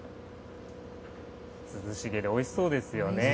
涼しげでおいしそうですよね。